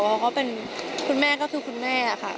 ว่าเขาเป็นคุณแม่ก็คือคุณแม่ค่ะ